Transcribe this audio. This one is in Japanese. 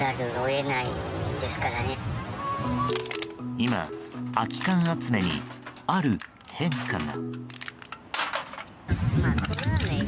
今、空き缶集めにある変化が。